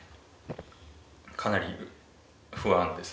かなり不安です。